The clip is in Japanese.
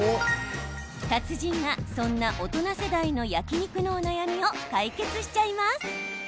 達人が、そんな大人世代の焼き肉のお悩みを解決しちゃいます。